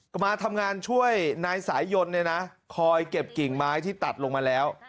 กลับมาทำงานช่วยนายสายนคอยเก็บกริ่งไม้ที่ตัดลงมาแล้ว